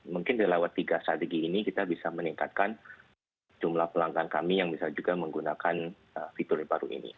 mungkin di lewat tiga strategi ini kita bisa meningkatkan jumlah pelanggan kami yang bisa juga menggunakan fitur baru ini